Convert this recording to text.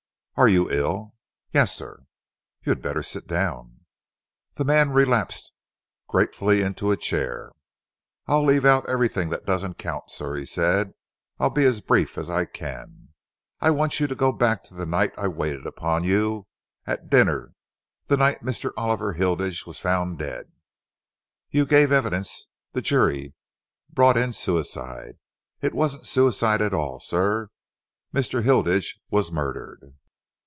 "Are you ill?" "Yes, sir!" "You had better sit down." The man relapsed gratefully into a chair. "I'll leave out everything that doesn't count, sir," he said. "I'll be as brief as I can. I want you to go back to the night I waited upon you at dinner the night Mr. Oliver Hilditch was found dead. You gave evidence. The jury brought it in 'suicide.' It wasn't suicide at all, sir. Mr. Hilditch was murdered."